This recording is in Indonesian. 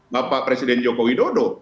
bapak presiden joko widodo